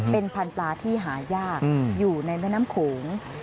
เป็นพันธุ์ปลาที่หายากอยู่ในแม่น้ำโขง